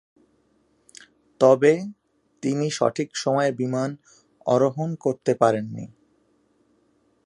তবে, তিনি সঠিক সময়ে বিমানে আরোহণ করতে পারেননি।